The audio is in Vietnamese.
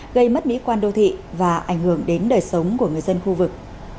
gây mất mỹ quan đô thị và ảnh hưởng đến đời sống của người dân khu vực